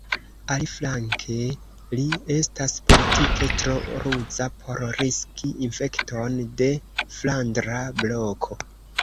Aliflanke, li estas politike tro ruza por riski infekton de Flandra Bloko.